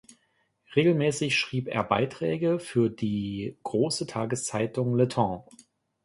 Regelmäßig schrieb er Beiträge für die große Tageszeitung "Le Temps.